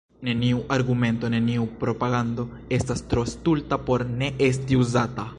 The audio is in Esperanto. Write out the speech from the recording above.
Neniu argumento, neniu propagando estas tro stulta por ne esti uzata.